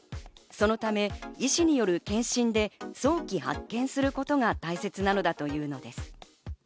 そのため医師による健診で早期発見することが大切なのだというのです。